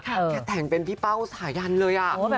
แกแต่งเป็นพี่เป้าสายันเลย